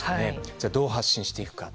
じゃあ、どう発信していくか。